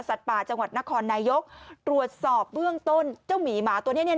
ป่าจังหวัดนครนายกตรวจสอบเบื้องต้นเจ้าหมีหมาตัวเนี้ย